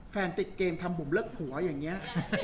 แฟนติดเกมทำบุบเรียกผัวอย่างนี้